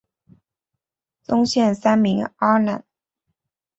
宗宪三名阿懒。